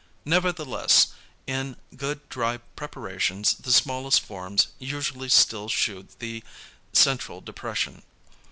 Nevertheless in good dry preparations the smallest forms usually still shew the central depression.